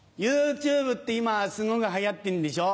ＹｏｕＴｕｂｅって今すごく流行ってんでしょ？